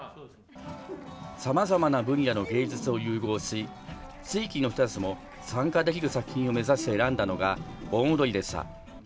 さまざまな分野の芸術を融合し、地域の人たちも参加できる作品を目指して選んだのが、盆踊りでした。